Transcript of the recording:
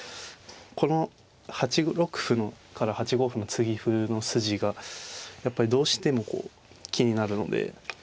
この８六歩から８五歩の継ぎ歩の筋がやっぱりどうしてもこう気になるので。